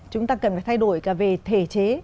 chúng ta cần phải thay đổi cả về thể chế